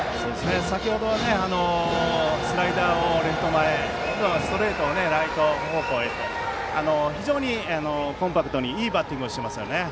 先程はスライダーをレフト前に今度はストレートをライト方向へ非常にコンパクトにいいバッティングをしていますね。